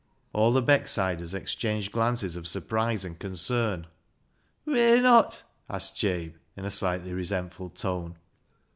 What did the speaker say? All the Becksiders exchanged glances of surprise and concern. " Whey not ?" asked Jabe, in a slightly re sentful tone.